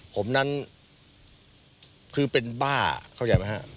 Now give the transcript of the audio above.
ผมนั้นคือเป็นบ้าเข้าใจมั้ยฮะ